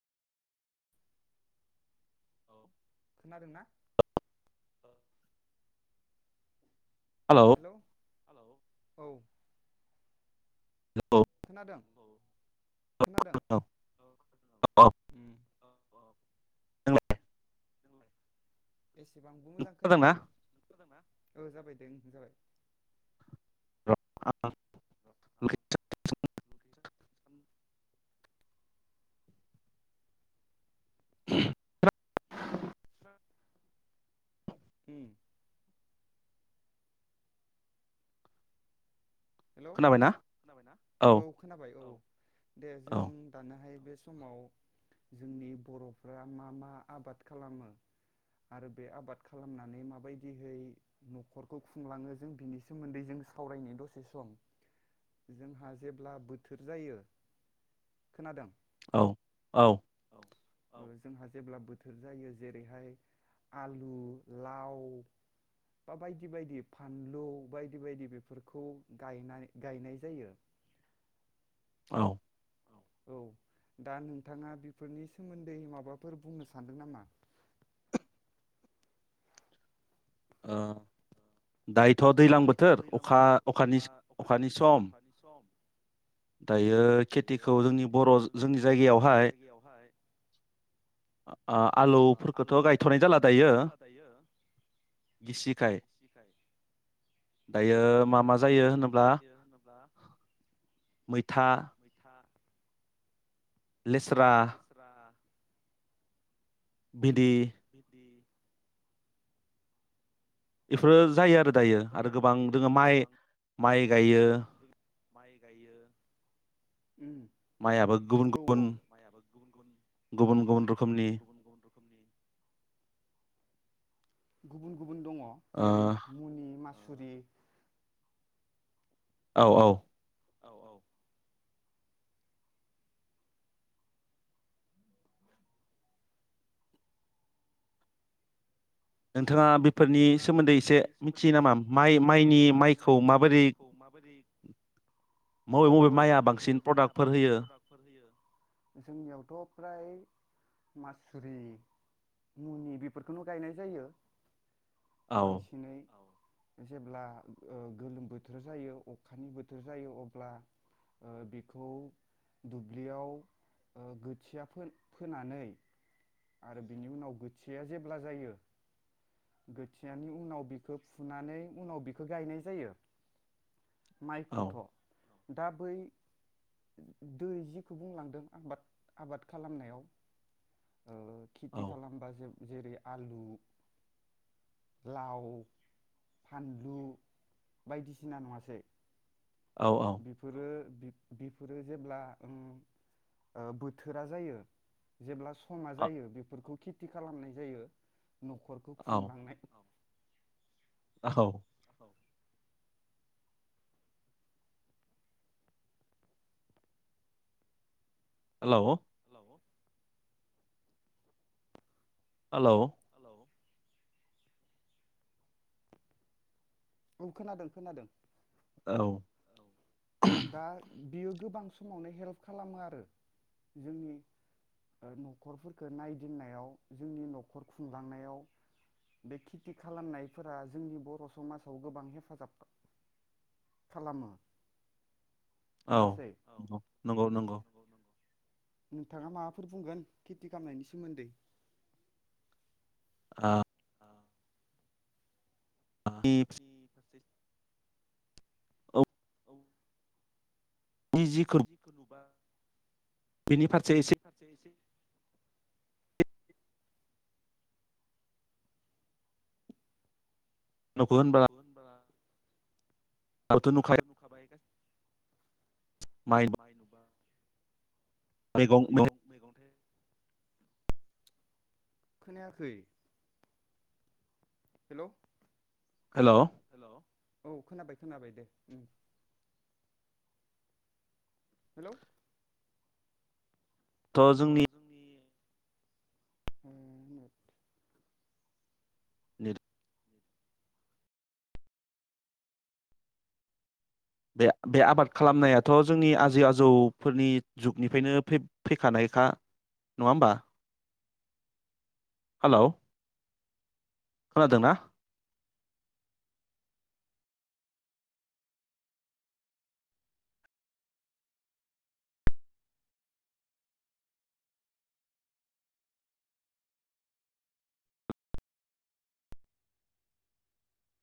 [inaudible] Hello hello औ hello खोनादों औ खोनादों औ औ औ [inaudible] नों [inaudible] एबांबो नों मोजां खोनादोंना खोनायाखै ओ जाबाय दे ओं जाबाय [inaudible] [inaudible] [inaudible] [inaudible] उम हेलौ खोनाबायना खोनाबायना औ खोनाबाय औ दे औ जों दानो हाय बेस्थ समाव जोंनि बर'फ्रा मा मा आबाद खालामो आरो बे आबाद खालामनानै माबायदिहै न'खरखौ खुंलाङो जों बिनि सोमोन्दै जों सावरायनाय द से सम जोंहा जेब्ला बोथोर जायो खोनादों औ औ ओ जोंहा जेब्ला बोथोर जायो जेरैहाय आलु लाव बा बायदि बायदि फानलु बायदि बायदि बेफोरखौ गायनाय गायनाय जायो औ औ दा नोंथाङा बेफोरनि सोमोन्दै माबाफोर बुंनो सानदों नामा ओ दायोथ' दैज्लां बोथोर अखा अखानि अखानि सम दायो खेथिखौ जोंनि बर' जोंनि जायगायावहाय आ आ आलुफोरखौथ' गायथ'नाय जाला दायो गिसिखाय दायो मा मा जायो होनोब्ला मैथा लेस्रा बिदि बेफोरो जायो आरो दायो आरो गोबां जोङो माइ माइ गायो माइ गायो माइआबो गुबुन गुबुन गुबुन गुबुन रोखोमनि गुबुन गुबुन गुबुन दङ ओ जेरै मुनि मास गुरि औ औ औ औ नोंथाङा बेफोरनि नोंथाङा सोमोन्दै एसे बेफोरनि सोमोन्दै मिथियो एसे नामा माइ मिथियो नामा माइनि माइ माइखौ माइनि माबोरै माइखौ माबोरै मबे औ औ माइआ मबे बांसिन मबे माइआ प्रडाक्टफोर बांसिन होयो प्रडाक्टफोर होयो जोंनियावथ' फ्राय मासुरि मुनि बेफोरखौनो गायनाय जायो‌‌। औ बांसिनै औ जेब्ला ओ गोलोम बोथोर जायो अखानि बोथोर जायो अब्ला ओ बेखौ दुब्लियाव ओ गोथिया फो फोनानै आरो बिनि उनाव गोथिया जेब्ला जायो गोथियानि उनाव बिखो फुनानै उनाव बिखो गायनाय जायो। माइ फुथ' औ दा बै दै जिखौ बुंलांदों आबाद आबाद खालामनायाव ओ औ खिथि औ खालामबा जेब जेरै आलु लाव फानलु बायदिसिना नङासै बिफोरो बि बिफोरो जेब्ला उम ओ बोथोरा जायो जेब्लास समा औ जायो बिफोरखौ खि थि खालामनाय जायो न'खर औ औ खुंलांनाय औ औ हेलौ [inaudible] हालौ औ खोनादों खोनादों। औ दा बियो गोबां समावनो हेल्प खालामो आरो जोंनि ओ न'खरफोरखो नायदिननायाव जोंनि न'खर खुंलांनायाव बे खेथि खालामनायफोरा जोंनि बर' समाज आव गोबां हेफाजाब खालामो। औ नङासै नोंगौ नंगौ नंगौ। नोंथाङा माबाफोर बुंगोन खेथि खामनायनि सोमोन्दै आ औनि [inaudible] औ जिखौ दिजि खुनुबा बेनि फारसे एसे बिनि फारसे एसे न'खौ न'खो होनबाथ' होनब्ला नुखायो [unintelligible] माइ माय नुबा मैगं मैगंथा खोनायाखै हेलौ हेल' औ खोनाबाय खोनाबाय दे हेलौ थ' जोंनि रजनि [unintelligible] ह [unintelligible] नि [unintelligible] बे बे आबाद खालामनायाथ' जोंनि आजै आजौफोरनि जुगनिफ्रायनो फै-फैखानायखा नङा होमबा हालौ खोनादोंना